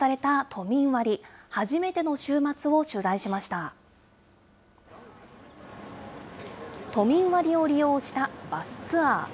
都民割を利用したバスツアー。